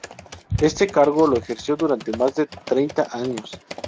Este cargo lo ejerció durante más de treinta años.